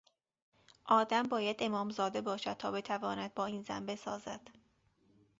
آدم باید امامزاده باشد تا بتواند با این زن بسازد!